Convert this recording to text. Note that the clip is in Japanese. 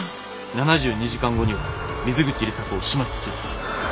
「７２時間後には水口里紗子を始末する」。